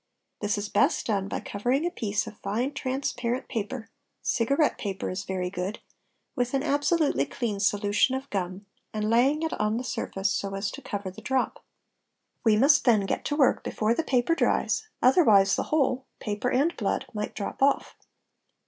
This is best done by covering a piece of fine transparent paper—cigarette paper is very good—with an absolutely clean solution of gum, and laying it on the surface so as to cover the drop. We must then get to work before the paper dries, otherwise the whole, paper and blood, might drop off.